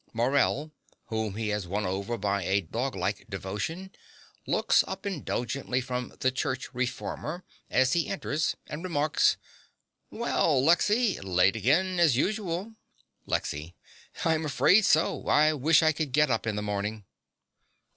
Morell, whom he has won over by a doglike devotion, looks up indulgently from The Church Reformer as he enters, and remarks) Well, Lexy! Late again, as usual. LEXY. I'm afraid so. I wish I could get up in the morning.